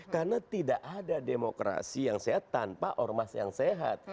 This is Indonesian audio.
karena tidak ada demokrasi yang sehat tanpa ormas yang sehat